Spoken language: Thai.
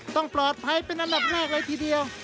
ต้องปลอดภัยเป็นอันดับแรกเลยทีเดียว